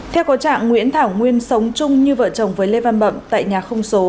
theo có trạng nguyễn thảo nguyên sống chung như vợ chồng với lê văn bậm tại nhà không số